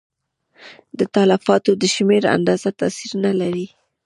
د تلفاتو د شمېر اندازه تاثیر نه لري.